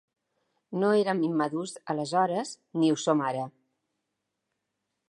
No érem immadurs aleshores ni ho som ara.